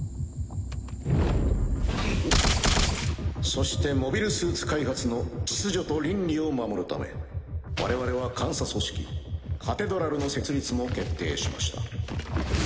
そしてモビルスーツ開発の秩序と倫理を守るため我々は監査組織カテドラルの設立も決定しました。